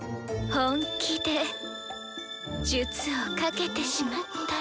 本気で術をかけてしまったら。